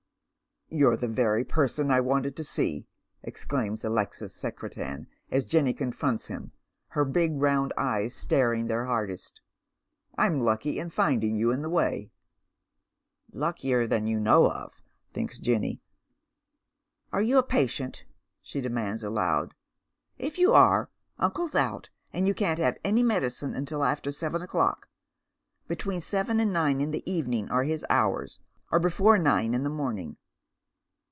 " You're the very person I wanted to see," exclaims Alexis Secretan as Jenny confronts him, her big round eyes staring their hardest ;" I'm lucky in finding you in the wav." 14S Dead Ifeii's Shoes. " Luckier than you know of," thinks Jenny. " Are yon • patient ?" she demands aloud. " If you are, uncle's out, and you can't have any medicine till after seven o'clock. Between seven and nine in the evening are his hours, or before nine in the morning."